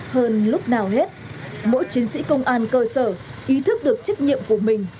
hơn lúc nào hết mỗi chiến sĩ công an cơ sở ý thức được trách nhiệm của mình